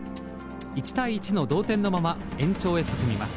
１対１の同点のまま延長へ進みます。